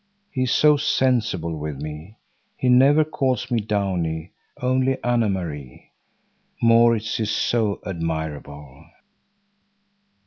He is so sensible with me! He never calls me Downie; only Anne Marie. Maurits is so admirable."